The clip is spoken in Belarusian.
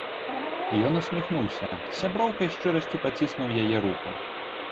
Ён усміхнуўся, з сяброўскай шчырасцю паціснуў яе руку.